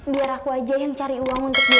biar aku aja yang cari uang untuk bisa